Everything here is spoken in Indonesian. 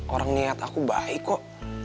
orang niat aku baik kok